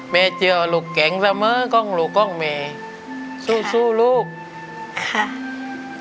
ไม่เจอลูกเก่งซะเม้อก้องลูกก้องเมสู้สู้ลูกค่ะ